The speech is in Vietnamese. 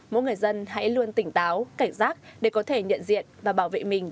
mỗi người dân hãy luôn tỉnh táo cảnh giác để có thể nhận diện và bảo vệ mình